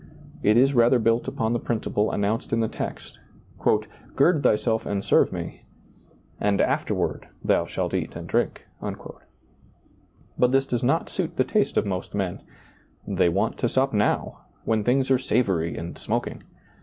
It is rather built upon the principle announced in the text, " Gird thyself, and serve me, ... and after ward thou shalteat and drink." But this does not suit the taste of most men ; they want to sup now, when things are savory and smoking.